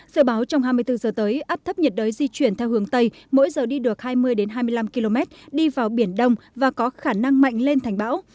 sự báo trong hai mươi bốn giờ tới áp thấp nhiệt đới di chuyển theo hướng tây mỗi giờ đi được hai mươi hai mươi năm km đi vào biển đông và có khả năng mạnh lên thành bão